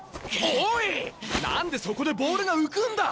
何でそこでボールが浮くんだ！